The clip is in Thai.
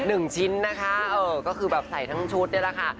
หนึ่งชิ้นนะคะเออก็คือแบบใส่ทั้งชุดนี่แหละค่ะ